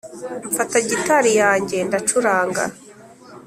mfata gitari yanjye ndacuranga